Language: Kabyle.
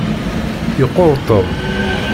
Yeqquṛ Tom.